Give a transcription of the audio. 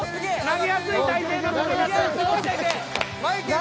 投げやすい体勢の時に。